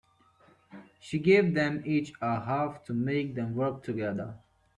She gave them each a half to make them work together.